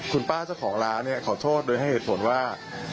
คุณป้าเจ้าของร้านเนี่ยขอโทษโดยให้เหตุผลว่า